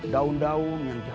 daun daun yang jatuh